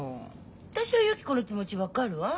私はゆき子の気持ち分かるわ。